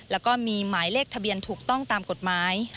แล้วก็มีหมายเลขทะเบียนถูกต้องตามกฎหมาย